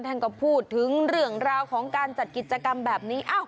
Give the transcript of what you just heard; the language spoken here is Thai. ท่านก็พูดถึงเรื่องราวของการจัดกิจกรรมแบบนี้